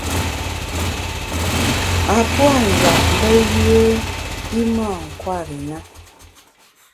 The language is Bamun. A puâ’ njap mbe yùe i mâ nkwer i na.